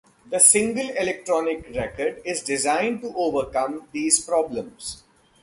The Single Electronic Record is designed to overcome these problems.